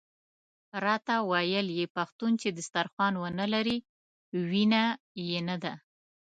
راته ویل یې پښتون چې دسترخوان ونه لري وینه یې نده.